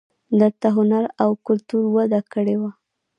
دلته هنر او کلتور وده کړې وه